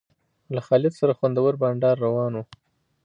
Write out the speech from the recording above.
له خالد سره خوندور بنډار روان و.